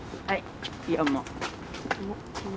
はい。